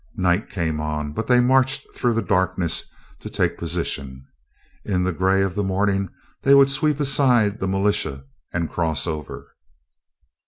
Night came on, but they marched through the darkness, to take position. In the gray of the morning they would sweep aside the militia and cross over.